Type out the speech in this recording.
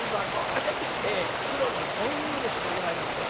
黒の本漆でございますよ。